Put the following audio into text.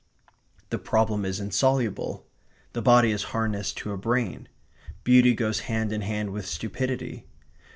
The problem is insoluble. The body is harnessed to a brain. Beauty goes hand in hand with stupidity.